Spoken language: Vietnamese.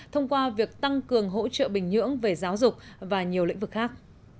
thông qua việc tăng cường hỗ trợ bình nhưỡng về giáo dục và nhiều lĩnh vực khác